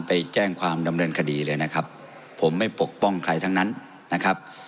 ไปแจ้งความดำเนินคดีเลยนะครับผมไม่ปกป้องใครทั้งนั้นนะครับ